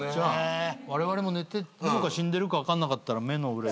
われわれも寝てるのか死んでるか分かんなかったら目の裏。